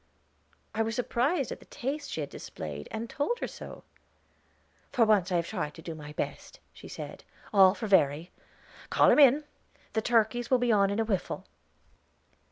I was surprised at the taste she had displayed, and told her so. "For once I have tried to do my best," she said; "all for Verry. Call 'em in; the turkeys will be on in a whiffle."